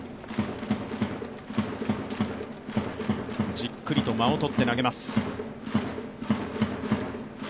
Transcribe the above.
じっくりと間を取って投げます。